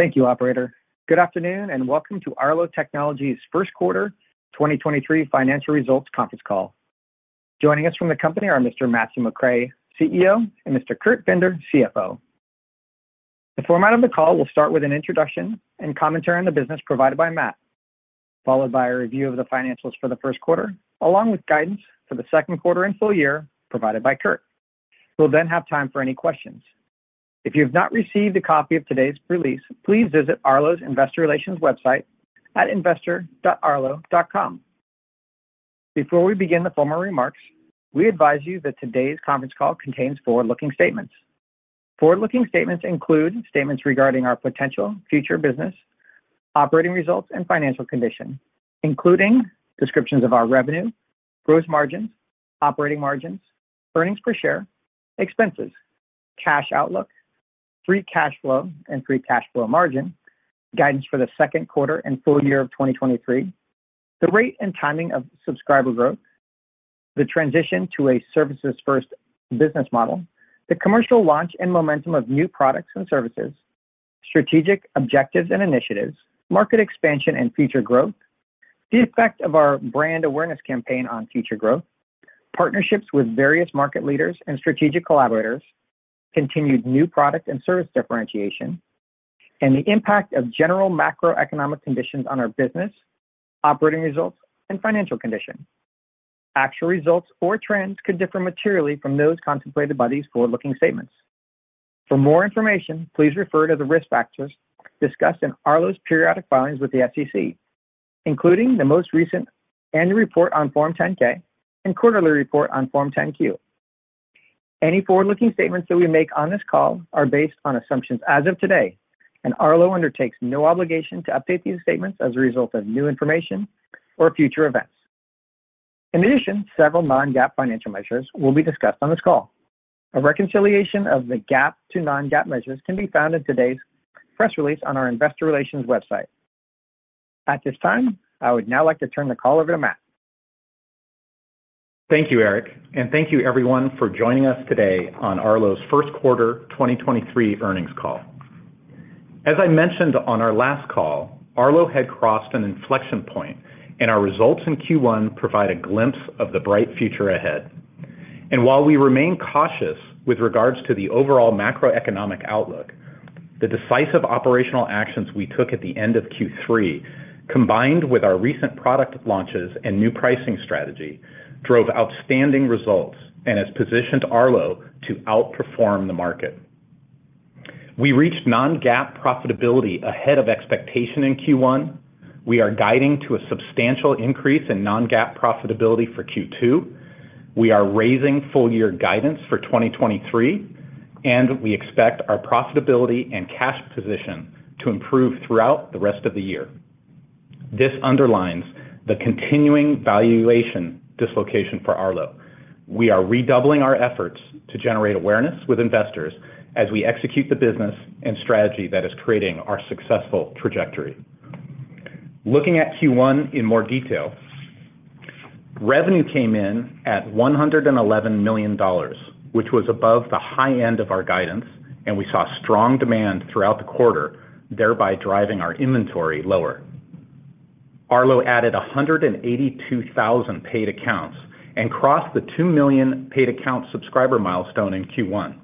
Thank you, operator. Good afternoon. Welcome to Arlo Technologies' first quarter 2023 financial results conference call. Joining us from the company are Mr. Matthew McRae, CEO, and Mr. Kurt Binder, CFO. The format of the call will start with an introduction and commentary on the business provided by Matt, followed by a review of the financials for the first quarter, along with guidance for the second quarter and full year provided by Kurt. We'll have time for any questions. If you've not received a copy of today's release, please visit Arlo's investor relations website at investor.arlo.com. Before we begin the formal remarks, we advise you that today's conference call contains forward-looking statements. Forward-looking statements include statements regarding our potential future business, operating results, and financial condition, including descriptions of our revenue, gross margins, operating margins, earnings per share, expenses, cash outlook, free cash flow and free cash flow margin, guidance for the second quarter and full year of 2023, the rate and timing of subscriber growth, the transition to a services first business model, the commercial launch and momentum of new products and services, strategic objectives and initiatives, market expansion and future growth, the effect of our brand awareness campaign on future growth, partnerships with various market leaders and strategic collaborators, continued new product and service differentiation, and the impact of general macroeconomic conditions on our business, operating results, and financial condition. Actual results or trends could differ materially from those contemplated by these forward-looking statements. For more information, please refer to the risk factors discussed in Arlo's periodic filings with the SEC, including the most recent annual report on Form 10-K and quarterly report on Form 10-Q. Any forward-looking statements that we make on this call are based on assumptions as of today, Arlo undertakes no obligation to update these statements as a result of new information or future events. In addition, several non-GAAP financial measures will be discussed on this call. A reconciliation of the GAAP to non-GAAP measures can be found in today's press release on our investor relations website. At this time, I would now like to turn the call over to Matt. Thank you, Eric. Thank you everyone for joining us today on Arlo's first quarter 2023 earnings call. As I mentioned on our last call, Arlo had crossed an inflection point, and our results in Q1 provide a glimpse of the bright future ahead. While we remain cautious with regards to the overall macroeconomic outlook, the decisive operational actions we took at the end of Q3, combined with our recent product launches and new pricing strategy, drove outstanding results and has positioned Arlo to outperform the market. We reached non-GAAP profitability ahead of expectation in Q1. We are guiding to a substantial increase in non-GAAP profitability for Q2. We are raising full year guidance for 2023, and we expect our profitability and cash position to improve throughout the rest of the year. This underlines the continuing valuation dislocation for Arlo. We are redoubling our efforts to generate awareness with investors as we execute the business and strategy that is creating our successful trajectory. Looking at Q1 in more detail, revenue came in at $111 million, which was above the high end of our guidance, and we saw strong demand throughout the quarter, thereby driving our inventory lower. Arlo added 182,000 paid accounts and crossed the 2 million paid account subscriber milestone in Q1.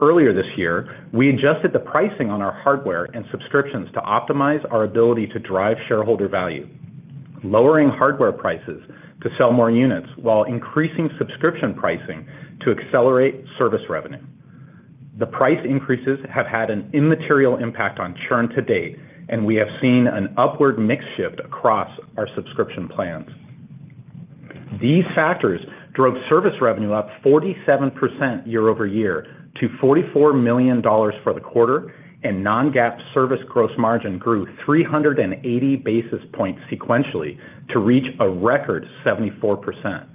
Earlier this year, we adjusted the pricing on our hardware and subscriptions to optimize our ability to drive shareholder value, lowering hardware prices to sell more units while increasing subscription pricing to accelerate service revenue. The price increases have had an immaterial impact on churn to date, and we have seen an upward mix shift across our subscription plans. These factors drove service revenue up 47% year-over-year to $44 million for the quarter, and non-GAAP service gross margin grew 380 basis points sequentially to reach a record 74%.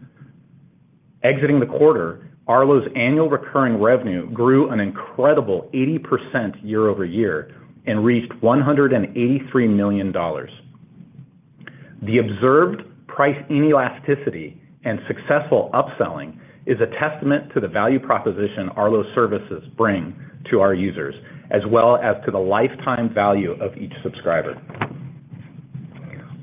Exiting the quarter, Arlo's annual recurring revenue grew an incredible 80% year-over-year and reached $183 million. The observed price elasticity and successful upselling is a testament to the value proposition Arlo's services bring to our users, as well as to the lifetime value of each subscriber.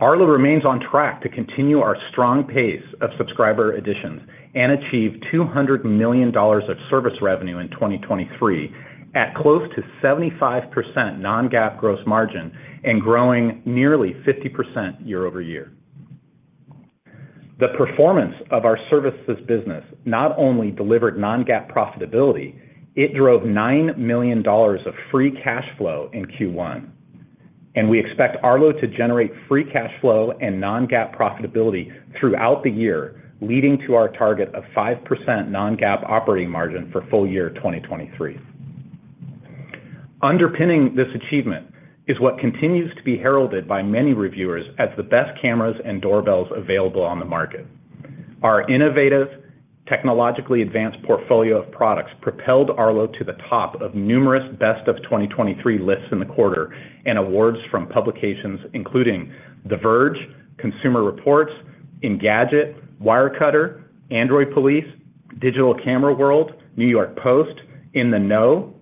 Arlo remains on track to continue our strong pace of subscriber additions and achieve $200 million of service revenue in 2023 at close to 75% non-GAAP gross margin and growing nearly 50% year-over-year. The performance of our services business not only delivered non-GAAP profitability, it drove $9 million of free cash flow in Q1. We expect Arlo to generate free cash flow and non-GAAP profitability throughout the year, leading to our target of 5% non-GAAP operating margin for full year 2023. Underpinning this achievement is what continues to be heralded by many reviewers as the best cameras and doorbells available on the market. Our innovative, technologically advanced portfolio of products propelled Arlo to the top of numerous best of 2023 lists in the quarter and awards from publications including The Verge, Consumer Reports, Engadget, Wirecutter, Android Police, Digital Camera World, New York Post, In The Know,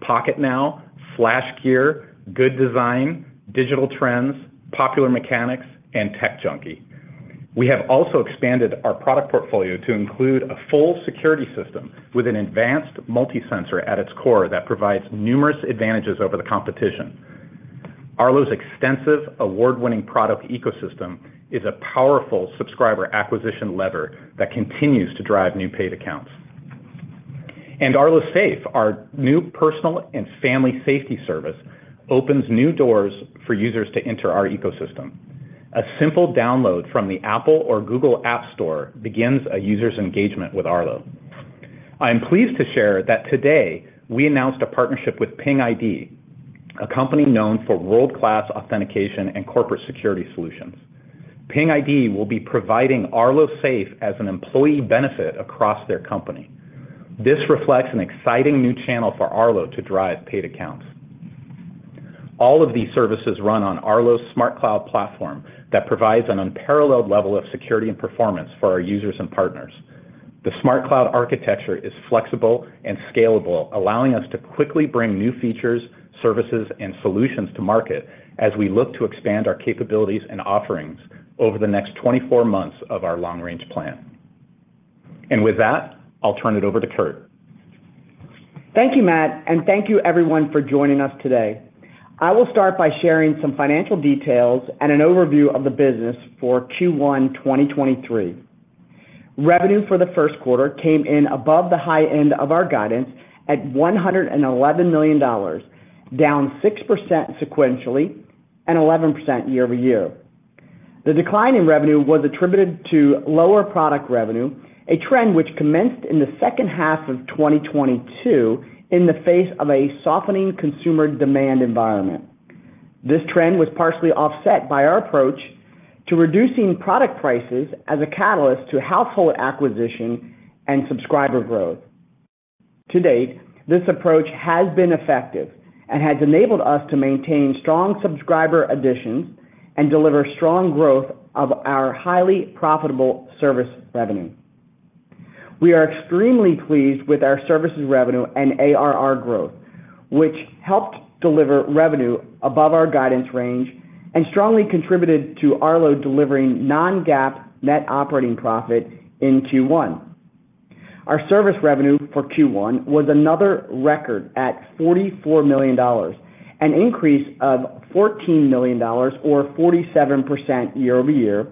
Pocketnow, SlashGear, Good Design, Digital Trends, Popular Mechanics, and Tech Junkie. We have also expanded our product portfolio to include a full security system with an advanced multi-sensor at its core that provides numerous advantages over the competition. Arlo's extensive award-winning product ecosystem is a powerful subscriber acquisition lever that continues to drive new paid accounts. Arlo Safe, our new personal and family safety service, opens new doors for users to enter our ecosystem. A simple download from the Apple or Google App Store begins a user's engagement with Arlo. I am pleased to share that today we announced a partnership with Ping ID, a company known for world-class authentication and corporate security solutions. Ping ID will be providing Arlo Safe as an employee benefit across their company. This reflects an exciting new channel for Arlo to drive paid accounts. All of these services run on Arlo's SmartCloud platform that provides an unparalleled level of security and performance for our users and partners. The SmartCloud architecture is flexible and scalable, allowing us to quickly bring new features, services, and solutions to market as we look to expand our capabilities and offerings over the next 24 months of our long-range plan. With that, I'll turn it over to Kurt. Thank you, Matt, and thank you everyone for joining us today. I will start by sharing some financial details and an overview of the business for Q1 2023. Revenue for the first quarter came in above the high end of our guidance at $111 million, down 6% sequentially and 11% year-over-year. The decline in revenue was attributed to lower product revenue, a trend which commenced in the second half of 2022 in the face of a softening consumer demand environment. This trend was partially offset by our approach to reducing product prices as a catalyst to household acquisition and subscriber growth. To date, this approach has been effective and has enabled us to maintain strong subscriber additions and deliver strong growth of our highly profitable service revenue. We are extremely pleased with our services revenue and ARR growth, which helped deliver revenue above our guidance range and strongly contributed to Arlo delivering non-GAAP net operating profit in Q1. Our service revenue for Q1 was another record at $44 million, an increase of $14 million or 47% year-over-year,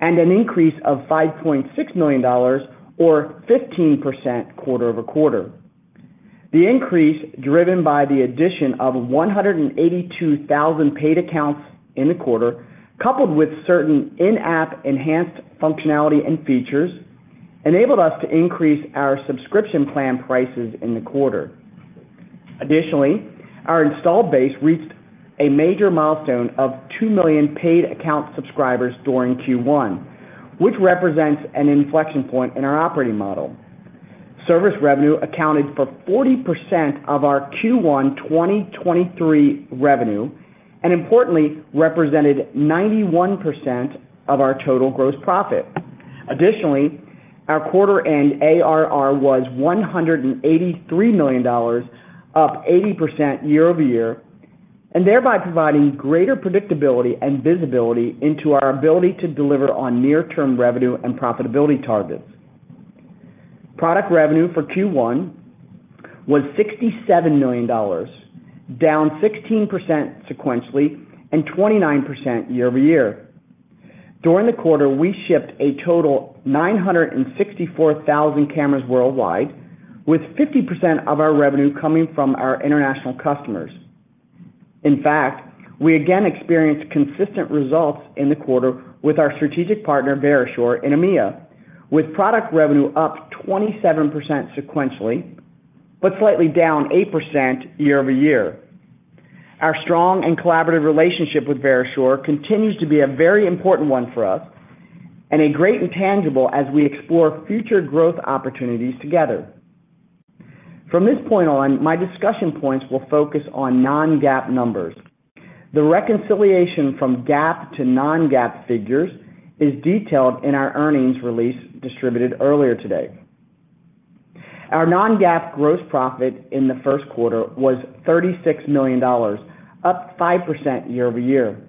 and an increase of $5.6 million or 15% quarter-over-quarter. The increase, driven by the addition of 182,000 paid accounts in the quarter, coupled with certain in-app enhanced functionality and features, enabled us to increase our subscription plan prices in the quarter. Our installed base reached a major milestone of 2 million paid account subscribers during Q1, which represents an inflection point in our operating model. Service revenue accounted for 40% of our Q1 2023 revenue, and importantly represented 91% of our total gross profit. Additionally, our quarter end ARR was $183 million, up 80% year-over-year, thereby providing greater predictability and visibility into our ability to deliver on near-term revenue and profitability targets. Product revenue for Q1 was $67 million, down 16% sequentially and 29% year-over-year. During the quarter, we shipped a total 964,000 cameras worldwide, with 50% of our revenue coming from our international customers. In fact, we again experienced consistent results in the quarter with our strategic partner, Verisure, in EMEA, with product revenue up 27% sequentially, slightly down 8% year-over-year. Our strong and collaborative relationship with Verisure continues to be a very important one for us and a great intangible as we explore future growth opportunities together. From this point on, my discussion points will focus on non-GAAP numbers. The reconciliation from GAAP to non-GAAP figures is detailed in our earnings release distributed earlier today. Our non-GAAP gross profit in the first quarter was $36 million, up 5% year-over-year.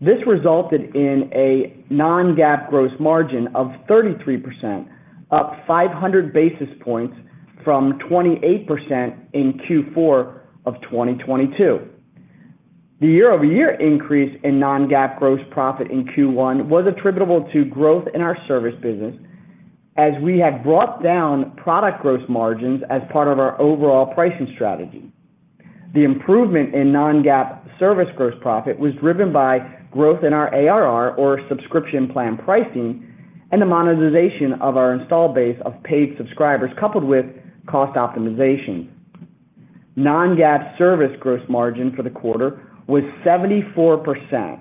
This resulted in a non-GAAP gross margin of 33%, up 500 basis points from 28% in Q4 of 2022. The year-over-year increase in non-GAAP gross profit in Q1 was attributable to growth in our service business as we had brought down product gross margins as part of our overall pricing strategy. The improvement in non-GAAP service gross profit was driven by growth in our ARR or subscription plan pricing and the monetization of our install base of paid subscribers coupled with cost optimization. Non-GAAP service gross margin for the quarter was 74%,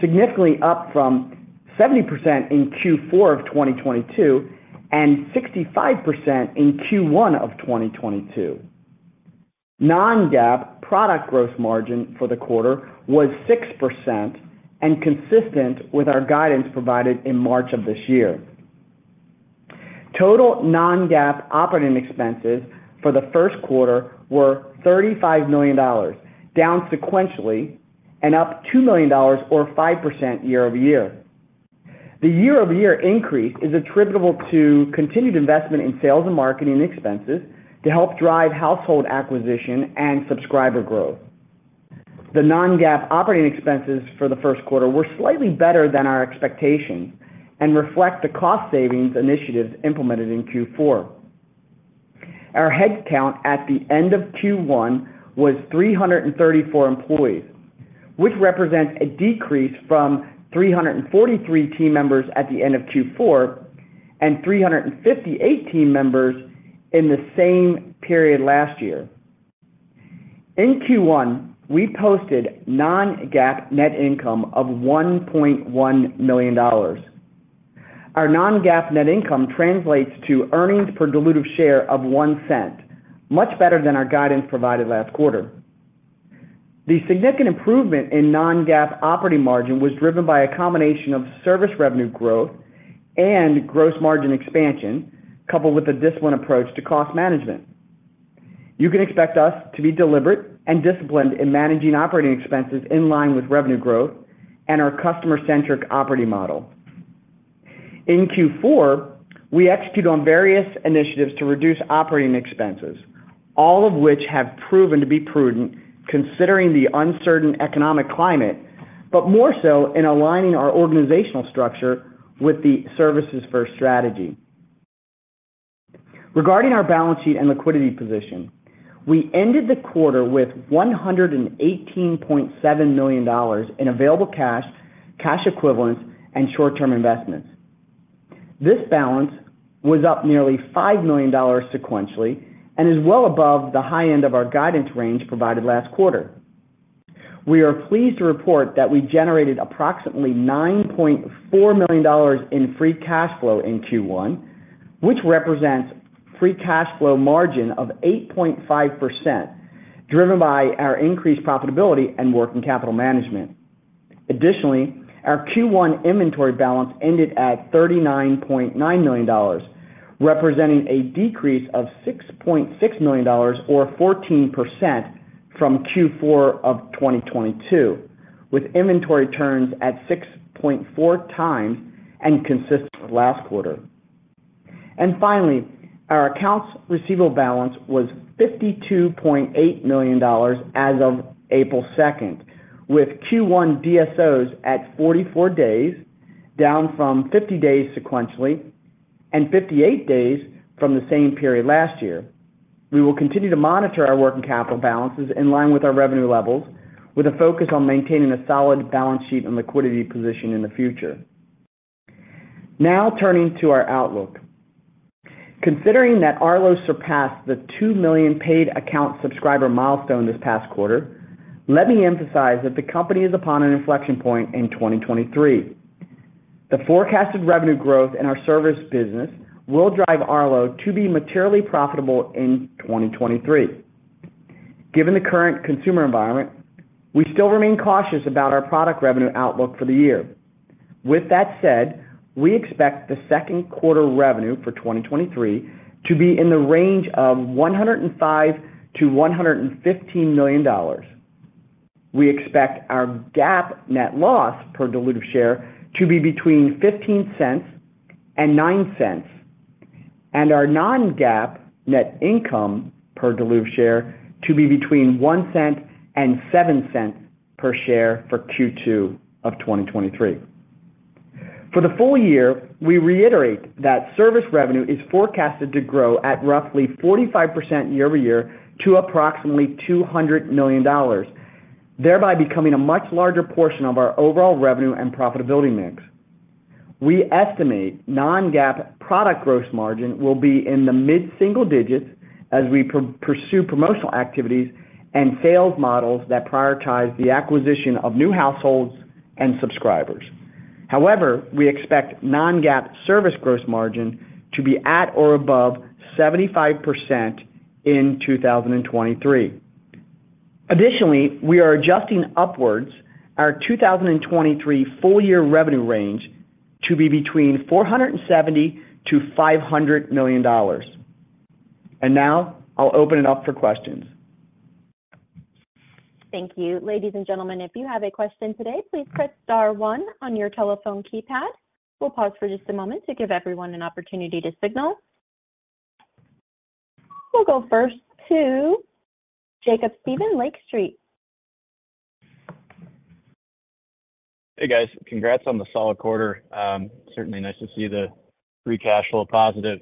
significantly up from 70% in Q4 of 2022 and 65% in Q1 of 2022. Non-GAAP product gross margin for the quarter was 6% and consistent with our guidance provided in March of this year. Total non-GAAP operating expenses for the first quarter were $35 million, down sequentially and up $2 million or 5% year-over-year. The year-over-year increase is attributable to continued investment in sales and marketing expenses to help drive household acquisition and subscriber growth. The non-GAAP operating expenses for the first quarter were slightly better than our expectations and reflect the cost savings initiatives implemented in Q4. Our head count at the end of Q1 was 334 employees, which represents a decrease from 343 team members at the end of Q4 and 358 team members in the same period last year. In Q1, we posted non-GAAP net income of $1.1 million. Our non-GAAP net income translates to earnings per dilutive share of $0.01, much better than our guidance provided last quarter. The significant improvement in non-GAAP operating margin was driven by a combination of service revenue growth and gross margin expansion, coupled with a disciplined approach to cost management. You can expect us to be deliberate and disciplined in managing operating expenses in line with revenue growth and our customer-centric operating model. In Q4, we execute on various initiatives to reduce operating expenses, all of which have proven to be prudent considering the uncertain economic climate, but more so in aligning our organizational structure with the services first strategy. Regarding our balance sheet and liquidity position, we ended the quarter with $118.7 million in available cash equivalents and short-term investments. This balance was up nearly $5 million sequentially and is well above the high end of our guidance range provided last quarter. We are pleased to report that we generated approximately $9.4 million in Free cash flow in Q1, which represents free cash flow margin of 8.5%, driven by our increased profitability and working capital management. Additionally, our Q1 inventory balance ended at $39.9 million, representing a decrease of $6.6 million or 14% from Q4 of 2022, with inventory turns at 6.4 times and consistent with last quarter. Finally, our accounts receivable balance was $52.8 million as of April 2, with Q1 DSO at 44 days, down from 50 days sequentially and 58 days from the same period last year. We will continue to monitor our working capital balances in line with our revenue levels, with a focus on maintaining a solid balance sheet and liquidity position in the future. Now turning to our outlook. Considering that Arlo surpassed the 2 million paid account subscriber milestone this past quarter, let me emphasize that the company is upon an inflection point in 2023. The forecasted revenue growth in our service business will drive Arlo to be materially profitable in 2023. Given the current consumer environment, we still remain cautious about our product revenue outlook for the year. With that said, we expect the second quarter revenue for 2023 to be in the range of $105 million-$115 million. We expect our GAAP net loss per dilutive share to be between $0.15 and $0.09, and our non-GAAP net income per dilutive share to be between $0.01 and $0.07 per share for Q2 of 2023. For the full year, we reiterate that service revenue is forecasted to grow at roughly 45% year-over-year to approximately $200 million, thereby becoming a much larger portion of our overall revenue and profitability mix. We estimate non-GAAP product gross margin will be in the mid-single digits as we pursue promotional activities and sales models that prioritize the acquisition of new households and subscribers. However, we expect non-GAAP service gross margin to be at or above 75% in 2023. Additionally, we are adjusting upwards our 2023 full year revenue range to be between $470 million-$500 million. Now I'll open it up for questions. Thank you. Ladies and gentlemen, if you have a question today, please press star 1 on your telephone keypad. We'll pause for just a moment to give everyone an opportunity to signal. We'll go first to Jacob Stephan, Lake Street. Hey, guys. Congrats on the solid quarter. Certainly nice to see the free cash flow positive.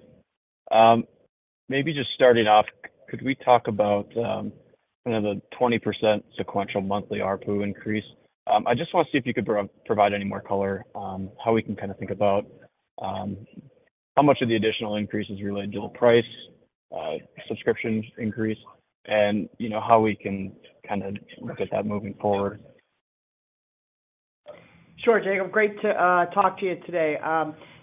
Maybe just starting off, could we talk about, kind of the 20% sequential monthly ARPU increase? I just want to see if you could provide any more color on how we can kinda think about, how much of the additional increase is related to price, subscriptions increase, and, you know, how we can kinda look at that moving forward? Sure, Jacob, great to talk to you today.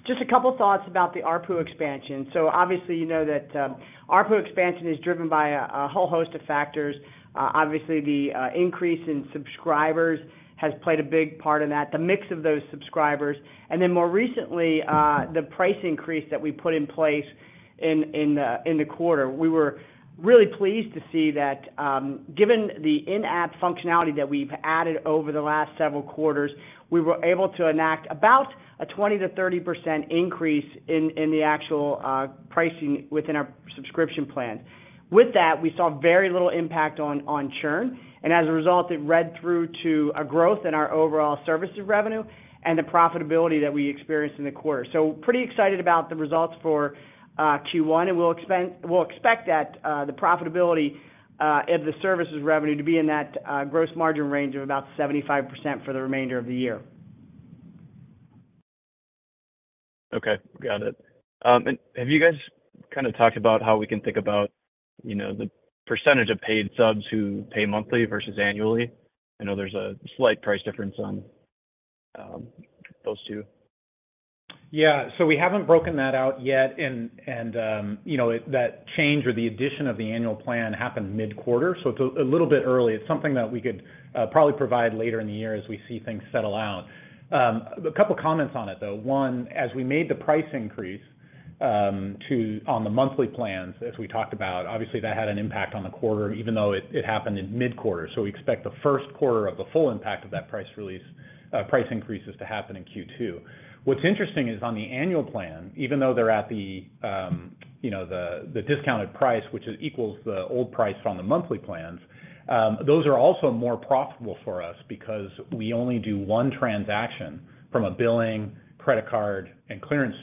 Just a couple thoughts about the ARPU expansion. Obviously, you know that ARPU expansion is driven by a whole host of factors. Obviously the increase in subscribers has played a big part in that, the mix of those subscribers. More recently, the price increase that we put in place in the quarter. We were really pleased to see that, given the in-app functionality that we've added over the last several quarters, we were able to enact about a 20%-30% increase in the actual pricing within our subscription plan. With that, we saw very little impact on churn, and as a result, it read through to a growth in our overall services revenue and the profitability that we experienced in the quarter. Pretty excited about the results for Q1, and we'll expect that the profitability of the services revenue to be in that gross margin range of about 75% for the remainder of the year. Okay. Got it. Have you guys kind of talked about how we can think about, you know, the percentage of paid subs who pay monthly versus annually? I know there's a slight price difference on, those two? Yeah. We haven't broken that out yet. You know, that change or the addition of the annual plan happened mid-quarter, so it's a little bit early. It's something that we could probably provide later in the year as we see things settle out. A couple comments on it though. One, as we made the price increase on the monthly plans, as we talked about, obviously that had an impact on the quarter even though it happened in mid-quarter, so we expect the first quarter of the full impact of that price release, price increases to happen in Q2. What's interesting is on the annual plan, even though they're at the, you know, the discounted price, which is equals the old price from the monthly plans, those are also more profitable for us because we only do one transaction from a billing, credit card, and clearance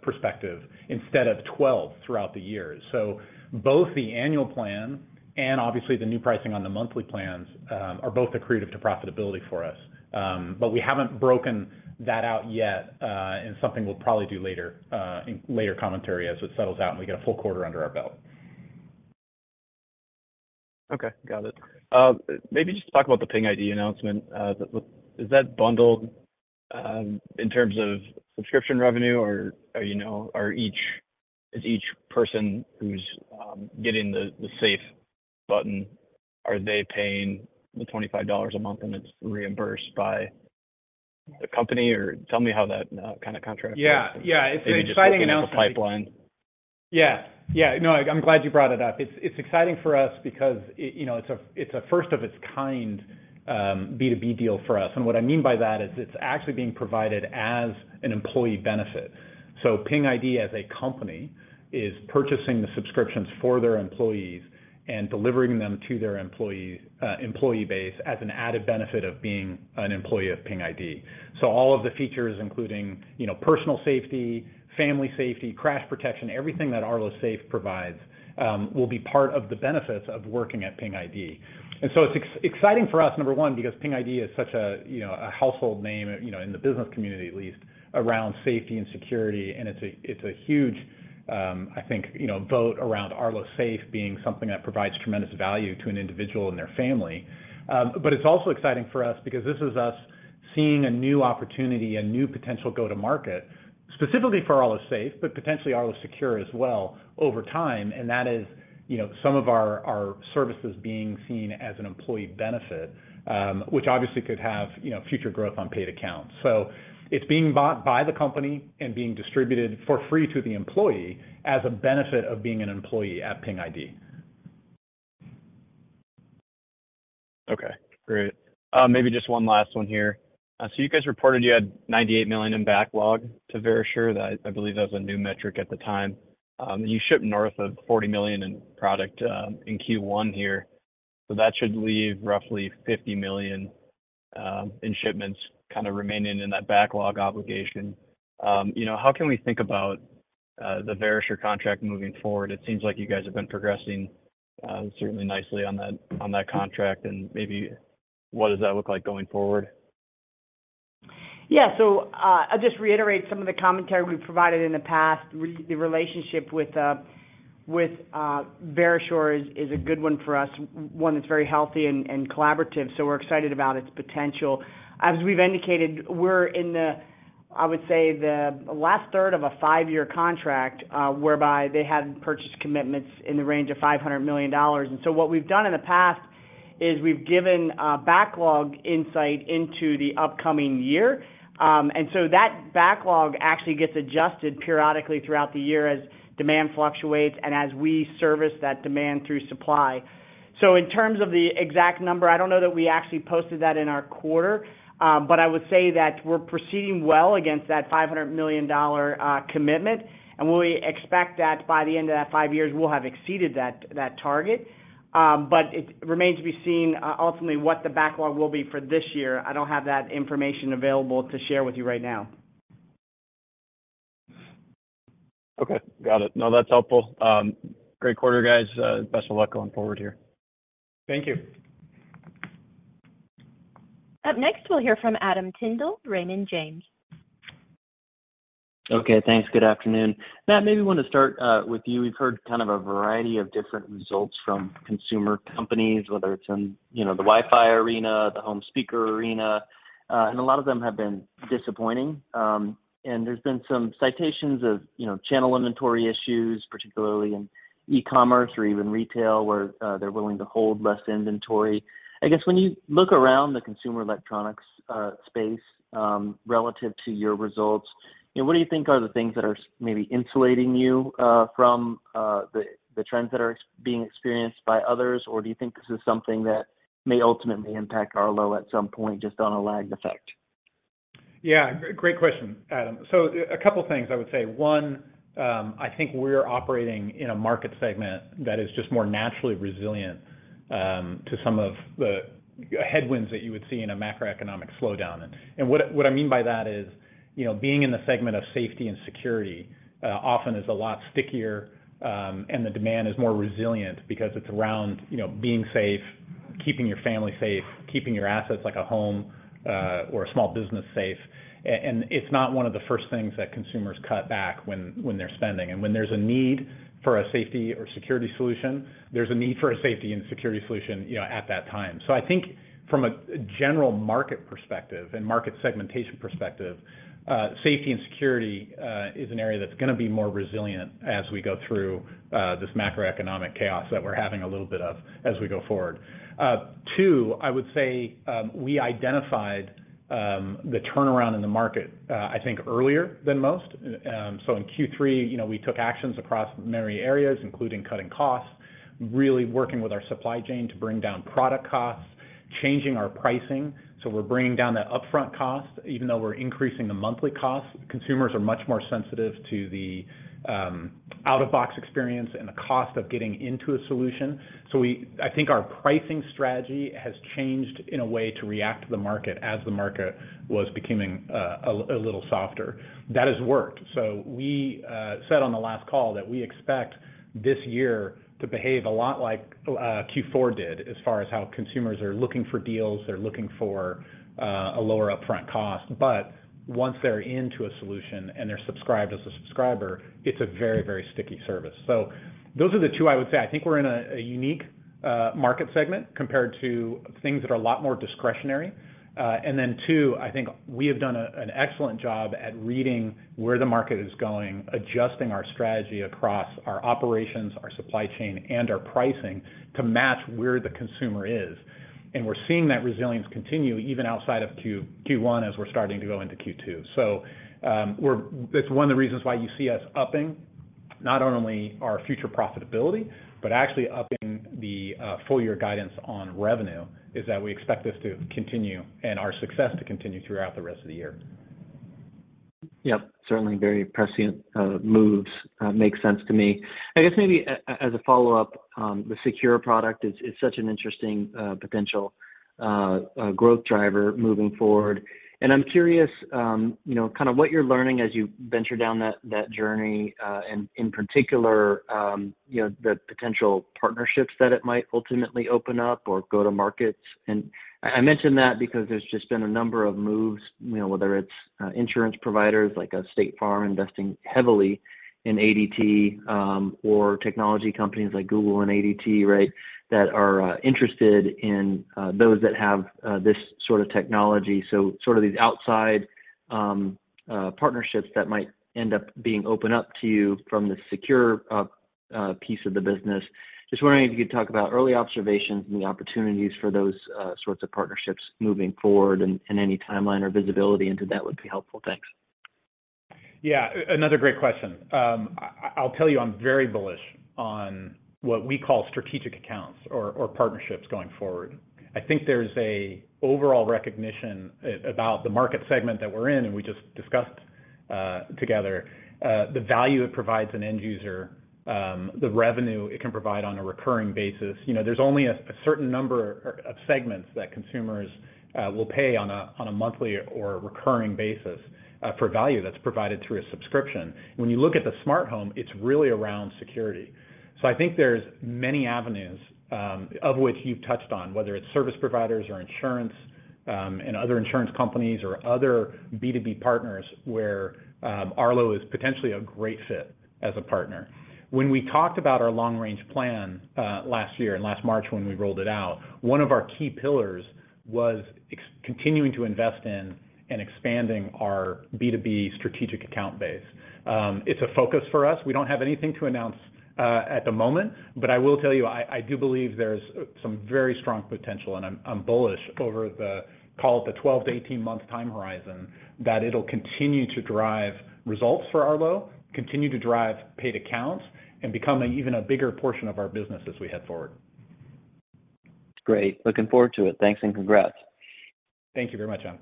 perspective instead of 12 throughout the year. Both the annual plan and obviously the new pricing on the monthly plans, are both accretive to profitability for us. We haven't broken that out yet, and something we'll probably do later in later commentary as it settles out and we get a full quarter under our belt. Okay. Got it. maybe just talk about the Ping ID announcement. Is that bundled in terms of subscription revenue or you know is each person who's getting the Safe button, are they paying the $25 a month and it's reimbursed by the company? Tell me how that kind of contract works. Yeah. Yeah. It's an exciting announcement. Maybe just looking at the pipeline. Yeah. Yeah. No, I'm glad you brought it up. It's exciting for us because it, you know, it's a, it's a first of its kind B2B deal for us. What I mean by that is it's actually being provided as an employee benefit. Ping Identity as a company is purchasing the subscriptions for their employees and delivering them to their employee base as an added benefit of being an employee of Ping Identity. All of the features including, you know, personal safety, family safety, crash protection, everything that Arlo Safe provides, will be part of the benefits of working at Ping Identity. It's exciting for us, number one, because PingID is such a, you know, a household name, you know, in the business community at least around safety and security, and it's a, it's a huge, I think, you know, vote around Arlo Safe being something that provides tremendous value to an individual and their family. But it's also exciting for us because this is us seeing a new opportunity, a new potential go-to-market specifically for Arlo Safe, but potentially Arlo Secure as well over time, and that is, you know, some of our services being seen as an employee benefit, which obviously could have, you know, future growth on paid accounts. It's being bought by the company and being distributed for free to the employee as a benefit of being an employee at PingID. Okay. Great. Maybe just one last one here. You guys reported you had $98 million in backlog to Verisure. I believe that was a new metric at the time. You shipped north of $40 million in product in Q1 here, so that should leave roughly $50 million in shipments kind of remaining in that backlog obligation. You know, how can we think about the Verisure contract moving forward? It seems like you guys have been progressing certainly nicely on that, on that contract, maybe what does that look like going forward? I'll just reiterate some of the commentary we've provided in the past. The relationship with Verisure is a good one for us, one that's very healthy and collaborative, so we're excited about its potential. As we've indicated, we're in the, I would say, the last third of a 5-year contract, whereby they had purchase commitments in the range of $500 million. What we've done in the past is we've given backlog insight into the upcoming year. That backlog actually gets adjusted periodically throughout the year as demand fluctuates and as we service that demand through supply. In terms of the exact number, I don't know that we actually posted that in our quarter. I would say that we're proceeding well against that $500 million commitment. We expect that by the end of that five years, we'll have exceeded that target. It remains to be seen, ultimately what the backlog will be for this year. I don't have that information available to share with you right now. Okay. Got it. That's helpful. Great quarter, guys. Best of luck going forward here. Thank you. Up next, we'll hear from Adam Tindle, Raymond James. Okay, thanks. Good afternoon. Matt, maybe want to start with you. We've heard kind of a variety of different results from consumer companies, whether it's in, you know, the Wi-Fi arena, the home speaker arena, and a lot of them have been disappointing. There's been some citations of, you know, channel inventory issues, particularly in e-commerce or even retail, where they're willing to hold less inventory. I guess, when you look around the consumer electronics space, relative to your results, you know, what do you think are the things that are maybe insulating you from the trends that are being experienced by others? Or do you think this is something that may ultimately impact Arlo at some point, just on a lagged effect? Yeah, great question, Adam Tindle. A couple things I would say. One, I think we're operating in a market segment that is just more naturally resilient to some of the headwinds that you would see in a macroeconomic slowdown. What I mean by that is, you know, being in the segment of safety and security, often is a lot stickier, and the demand is more resilient because it's around, you know, being safe, keeping your family safe, keeping your assets like a home, or a small business safe. It's not one of the first things that consumers cut back when they're spending. When there's a need for a safety or security solution, there's a need for a safety and security solution, you know, at that time. I think from a general market perspective and market segmentation perspective, safety and security, is an area that's going to be more resilient as we go through, this macroeconomic chaos that we're having a little bit of as we go forward. Two, I would say, we identified, the turnaround in the market, I think earlier than most. In Q3, you know, we took actions across many areas, including cutting costs, really working with our supply chain to bring down product costs, changing our pricing, so we're bringing down that upfront cost, even though we're increasing the monthly cost. Consumers are much more sensitive to the out-of-box experience and the cost of getting into a solution. I think our pricing strategy has changed in a way to react to the market as the market was becoming a little softer. That has worked. We said on the last call that we expect this year to behave a lot like Q4 did as far as how consumers are looking for deals, they're looking for a lower upfront cost. Once they're into a solution and they're subscribed as a subscriber, it's a very sticky service. Those are the two I would say. I think we're in a unique market segment compared to things that are a lot more discretionary. Then two, I think we have done an excellent job at reading where the market is going, adjusting our strategy across our operations, our supply chain, and our pricing to match where the consumer is. We're seeing that resilience continue even outside of Q, Q1 as we're starting to go into Q2. That's one of the reasons why you see us upping not only our future profitability, but actually upping the full year guidance on revenue, is that we expect this to continue and our success to continue throughout the rest of the year. Yep. Certainly very prescient moves. Makes sense to me. I guess maybe as a follow-up, the Secure product is such an interesting potential growth driver moving forward. I'm curious, you know, kind of what you're learning as you venture down that journey, and in particular, you know, the potential partnerships that it might ultimately open up or go to markets. I mention that because there's just been a number of moves, you know, whether it's insurance providers like a State Farm investing heavily in ADT, or technology companies like Google and ADT, right, that are interested in those that have this sort of technology. Sort of these outside partnerships that might end up being open up to you from the Secure piece of the business. Just wondering if you could talk about early observations and the opportunities for those, sorts of partnerships moving forward and any timeline or visibility into that would be helpful. Thanks. Another great question. I'll tell you, I'm very bullish on what we call strategic accounts or partnerships going forward. I think there's a overall recognition about the market segment that we're in, and we just discussed together, the value it provides an end user, the revenue it can provide on a recurring basis. You know, there's only a certain number of segments that consumers will pay on a monthly or recurring basis for value that's provided through a subscription. When you look at the smart home, it's really around security. I think there's many avenues, of which you've touched on, whether it's service providers or insurance, and other insurance companies or other B2B partners where Arlo is potentially a great fit as a partner. We talked about our long range plan, last year and last March when we rolled it out, one of our key pillars was continuing to invest in and expanding our B2B strategic account base. It's a focus for us. We don't have anything to announce at the moment, I will tell you, I do believe there's some very strong potential, and I'm bullish over the, call it the 12 to 18-month time horizon, that it'll continue to drive results for Arlo, continue to drive paid accounts, and become an even a bigger portion of our business as we head forward. Great. Looking forward to it. Thanks and congrats. Thank you very much, Adam.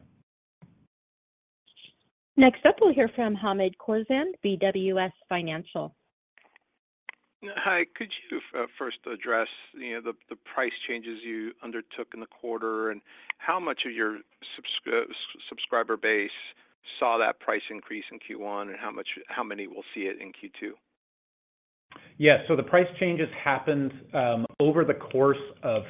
Next up, we'll hear from Hamed Khorsand, BWS Financial. Hi. Could you first address, you know, the price changes you undertook in the quarter, and how much of your subscriber base saw that price increase in Q1, and how many will see it in Q2? The price changes happened over the course of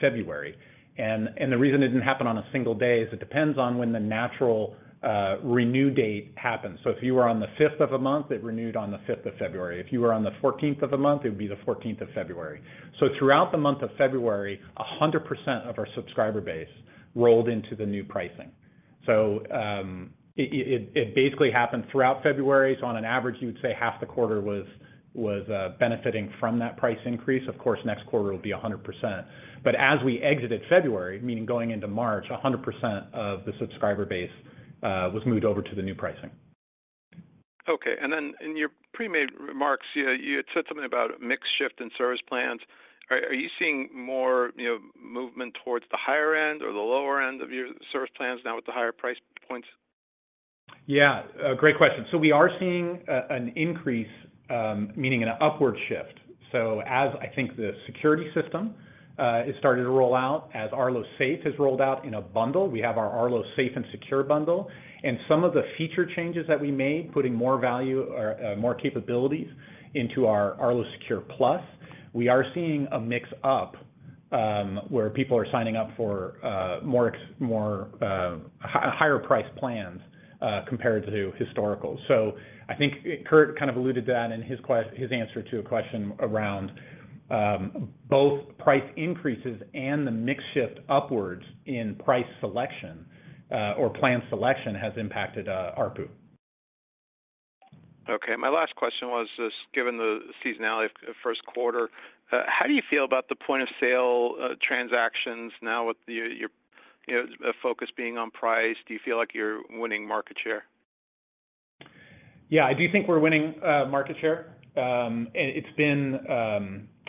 February. The reason it didn't happen on a single day is it depends on when the natural renew date happens. If you were on the 5th of a month, it renewed on the 5th of February. If you were on the 14th of the month, it would be the 14th of February. Throughout the month of February, 100% of our subscriber base rolled into the new pricing. It basically happened throughout February. On an average, you would say half the quarter was benefiting from that price increase. Of course, next quarter will be 100%. As we exited February, meaning going into March, 100% of the subscriber base was moved over to the new pricing. Okay. In your pre-made remarks, you had said something about mix shift in service plans. Are you seeing more, you know, movement towards the higher end or the lower end of your service plans now with the higher price points? Yeah, a great question. We are seeing an increase, meaning an upward shift. As I think the security system is starting to roll out, as Arlo Safe has rolled out in a bundle, we have our Arlo Safe and Secure bundle, and some of the feature changes that we made, putting more value or more capabilities into our Arlo Secure Plus, we are seeing a mix-up where people are signing up for more higher priced plans compared to historical. I think Kurt kind of alluded to that in his answer to a question around both price increases and the mix shift upwards in price selection or plan selection has impacted ARPU. Okay. My last question was just given the seasonality of first quarter, how do you feel about the point of sale, transactions now with your, you know, focus being on price, do you feel like you're winning market share? Yeah, I do think we're winning market share. It's been,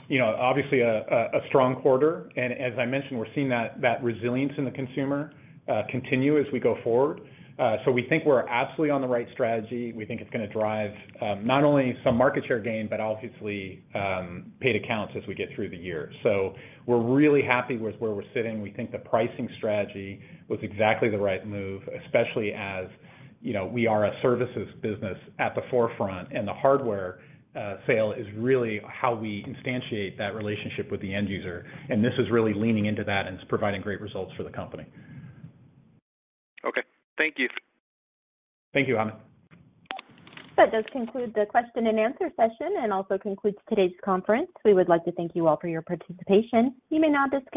you know, obviously a strong quarter. As I mentioned, we're seeing that resilience in the consumer continue as we go forward. We think we're absolutely on the right strategy. We think it's gonna drive not only some market share gain, but obviously paid accounts as we get through the year. We're really happy with where we're sitting. We think the pricing strategy was exactly the right move, especially as, you know, we are a services business at the forefront, and the hardware sale is really how we instantiate that relationship with the end user. This is really leaning into that, and it's providing great results for the company. Okay. Thank you. Thank you, Hamed. That does conclude the question and answer session and also concludes today's conference. We would like to thank you all for your participation. You may now disconnect.